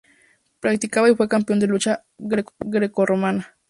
Practicaba y fue campeón de lucha grecorromana.